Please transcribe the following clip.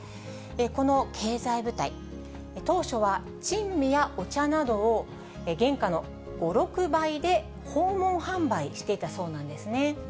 この経済部隊、当初は珍味やお茶などを原価の５、６倍で、訪問販売していたそうなんですね。